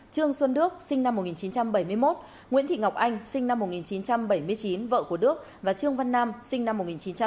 trương xuân đức sinh năm một nghìn chín trăm bảy mươi một nguyễn thị ngọc anh sinh năm một nghìn chín trăm bảy mươi chín vợ của đức và trương văn nam sinh năm một nghìn chín trăm tám mươi